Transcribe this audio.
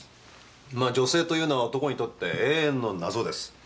まあ女性というのは男にとって永遠の謎です。